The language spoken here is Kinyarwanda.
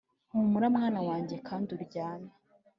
humura, mwana wanjye, kandi uryame.